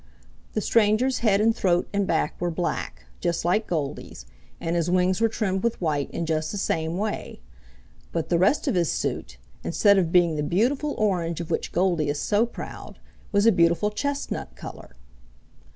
The stranger's head and throat and back were black, just like Goldy's, and his wings were trimmed with white in just the same way. But the rest of his suit, instead of being the beautiful orange of which Goldy is so proud, was a beautiful chestnut color.